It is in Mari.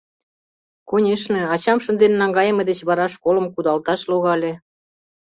Конешне, ачам шынден наҥгайыме деч вара школым кудалташ логале.